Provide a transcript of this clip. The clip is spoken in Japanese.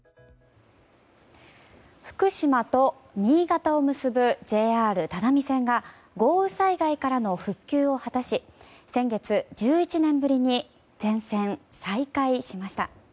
福島と新潟を結ぶＪＲ只見線が豪雨災害からの復旧を果たし先月、１１年ぶりに全線再開しました。